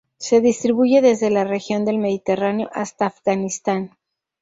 Se distribuye desde la región del Mediterráneo hasta Afganistán.